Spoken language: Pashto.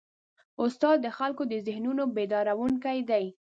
استاد د خلکو د ذهنونو بیدارونکی دی.